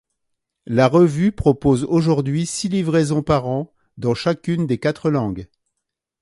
La revue propose aujourd'hui six livraisons par an dans chacune des quatre langues.